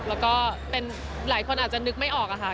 แล้วก็เป็นหลายคนอาจจะนึกไม่ออกอะค่ะ